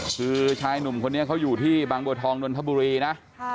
คือชายหนุ่มคนนี้เขาอยู่ที่บางบัวทองนนทบุรีนะ